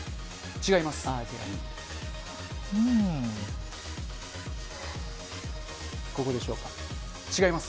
違います。